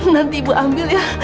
nanti ibu ambil ya